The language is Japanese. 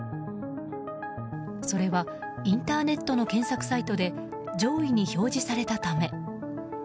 それはインターネットの検索サイトで上位に表示されたため。